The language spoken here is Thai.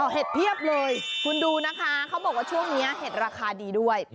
เห็ดเพียบเลยคุณดูนะคะเขาบอกว่าช่วงนี้เห็ดราคาดีด้วย